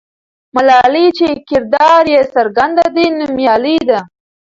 ملالۍ چې کردار یې څرګند دی، نومیالۍ ده.